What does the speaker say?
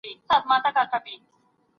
ګرم مي و نه بولی چي شپه ستایمه